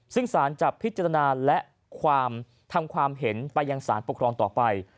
ซึ่งสารจะพิจารณาและความทำความเห็นไปยังสารปกครองต่อไป